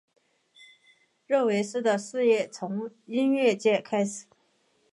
热维斯的事业从音乐界开始。